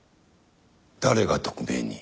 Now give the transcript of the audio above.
誰が特命に？